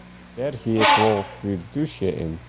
Dêr hie ’k wol fidúsje yn.